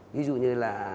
ví dụ như là